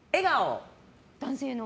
男性の？